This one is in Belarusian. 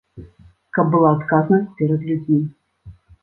Каб была адказнасць перад людзьмі.